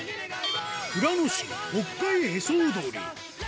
富良野市、北海へそ踊り。